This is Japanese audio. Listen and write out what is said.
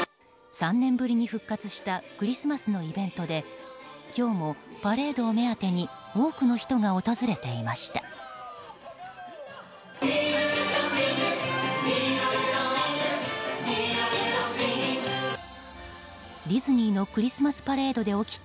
３年ぶりに復活したクリスマスのイベントで今日もパレードを目当てに多くに人が訪れていました。